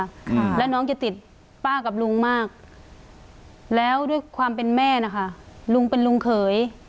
ค่ะแล้วน้องจะติดป้ากับลุงมากแล้วด้วยความเป็นแม่นะคะลุงเป็นลุงเขย